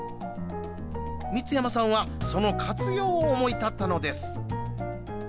光山さんはその活用を思い立ったのです。